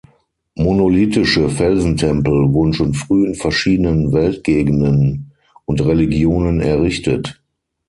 Monolithische Felsentempel wurden schon früh in verschiedenen Weltgegenden und Religionen errichtet.